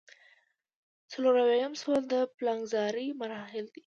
څلور اویایم سوال د پلانګذارۍ مراحل دي.